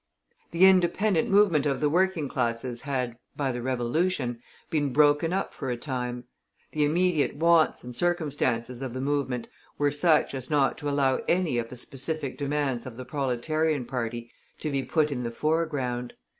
The independent movement of the working classes had, by the revolution, been broken up for a time. The immediate wants and circumstances of the movement were such as not to allow any of the specific demands of the Proletarian party to be put in the foreground.